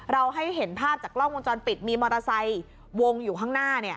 ให้เห็นภาพจากกล้องวงจรปิดมีมอเตอร์ไซค์วงอยู่ข้างหน้า